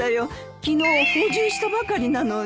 昨日補充したばかりなのに。